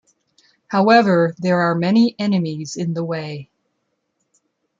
However, there are many enemies in the way.